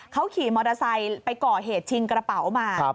เขาขี่มอเตอร์ไซค์ไปก่อเหตุชิงกระเป๋ามา